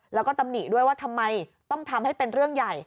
แล้วก็ตำหนิด้วยว่าทำไมต้องทำให้เป็นเรื่องใหญ่